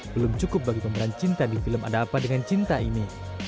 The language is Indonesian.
belum cukup bagi pemeran cinta di film ada apa dengan cinta ini